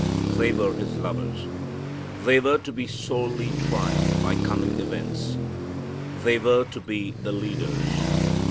They were His lovers. They were to be sorely tried by coming events. They were to be the leaders.